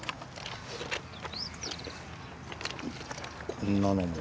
こんなのも。